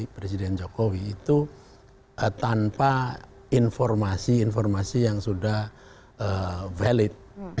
presiden jokowi itu tanpa informasi informasi yang sudah valid